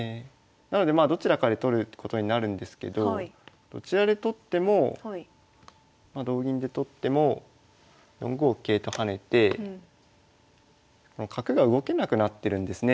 なのでまあどちらかで取ることになるんですけどどちらで取ってもまあ同銀で取っても４五桂と跳ねて角が動けなくなってるんですね